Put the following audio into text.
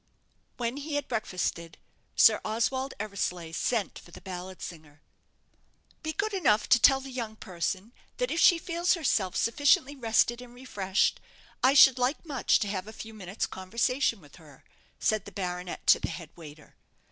When he had breakfasted, Sir Oswald Eversleigh sent for the ballad singer. "Be good enough to tell the young person that if she feels herself sufficiently rested and refreshed, I should like much to have a few minutes' conversation with her," said the baronet to the head waiter.